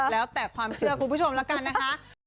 แล้วแต่ความเชื่อคุณผู้ชมแล้วกันนะคะ